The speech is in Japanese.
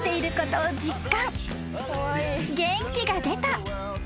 ［元気が出た］